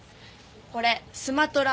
これスマトラ。